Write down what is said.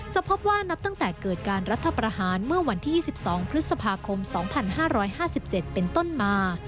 จะพบว่านับตั้งแต่เกิดการรัฐประหารเมื่อวันที่๒๒พฤษภาคม๒๕๕๗เป็นต้นมา